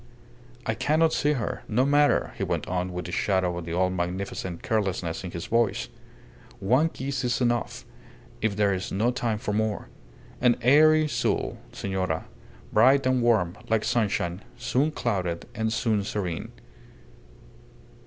"I cannot see her. ... No matter," he went on, with the shadow of the old magnificent carelessness in his voice. "One kiss is enough, if there is no time for more. An airy soul, senora! Bright and warm, like sunshine soon clouded, and soon serene.